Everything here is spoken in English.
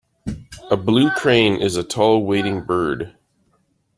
A blue crane is a tall wading bird.